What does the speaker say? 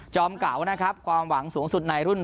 เก่านะครับความหวังสูงสุดในรุ่น